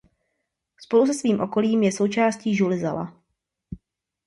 Spolu se svým okolím je součástí župy Zala.